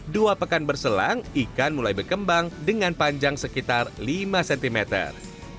dua pekan berselang ikan mulai berkembang dengan panjang sekitar lima cm